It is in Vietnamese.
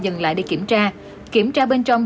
dừng lại để kiểm tra kiểm tra bên trong